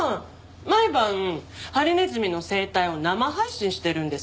毎晩ハリネズミの生態を生配信してるんです。